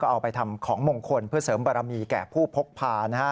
เอาไปทำของมงคลเพื่อเสริมบารมีแก่ผู้พกพานะฮะ